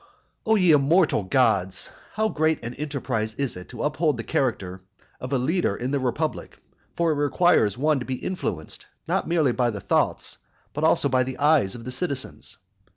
O ye immortal gods! how great an enterprise is it to uphold the character of a leader in the republic, for it requires one to be influenced not merely by the thoughts but also by the eyes of the citizens.